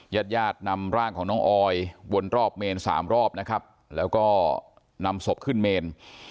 ญาติญาตินำร่างของน้องออยวนรอบเมนสามรอบนะครับแล้วก็นำศพขึ้นเมน